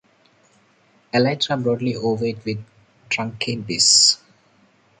Elytra broadly ovate with truncate base.